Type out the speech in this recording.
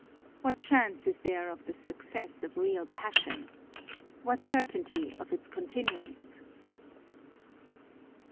What chance is there of the suc cess of real passion ? What certainty of its continuance